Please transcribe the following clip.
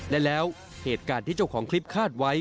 และแล้วเหตุการณ์ที่เจ้าของคลิปคาดไว้